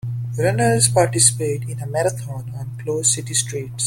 Runners participate in a marathon on closed city streets.